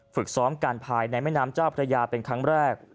ฝึกซ้อมกันภายในแม่น้ำเจ้าพระยาเป็นครั้งแรก